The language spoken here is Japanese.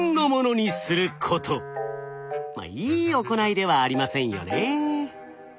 まっいい行いではありませんよね。